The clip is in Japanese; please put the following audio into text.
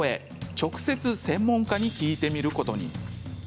直接、専門家に聞いてみることに。